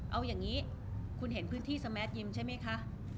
เอาอย่างนี้คุณเห็นพื้นที่สแมทยิมใช่ไหมคะ